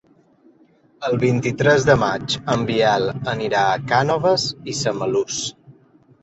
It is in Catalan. El vint-i-tres de maig en Biel anirà a Cànoves i Samalús.